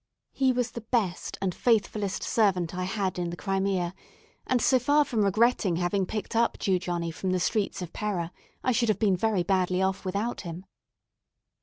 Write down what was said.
He was the best and faithfullest servant I had in the Crimea, and, so far from regretting having picked up Jew Johnny from the streets of Pera, I should have been very badly off without him.